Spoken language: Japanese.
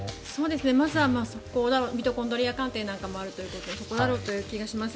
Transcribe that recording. まずはミトコンドリア鑑定なんかもあるということでそこだろうという気がします。